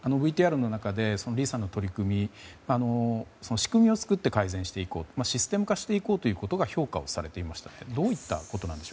ＶＴＲの中でリさんの取り組み仕組みを作って改善していこうシステム化していこうということが評価されていましたね。